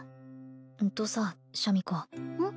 うんとさシャミ子うん？